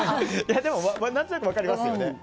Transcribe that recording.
何となく分かりますよね。